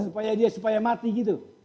supaya dia supaya mati gitu